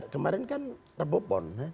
kemarin kan rebupon